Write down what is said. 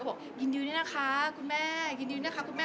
ก็บอกยินดีอยู่เนี่ยนะคะคุณแม่